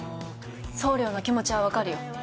総領の気持ちは分かるよ。